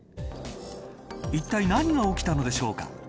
いったい何が起きたのでしょうか。